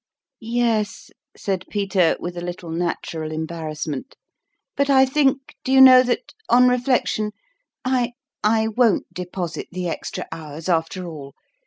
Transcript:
" Yes," said Peter, with a little natural em barrassment ;" but I think, do you know, that, on reflection, I I won't deposit the extra hours after all